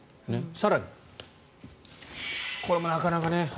更に、これもなかなかね。